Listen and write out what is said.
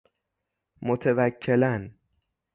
متوکلاً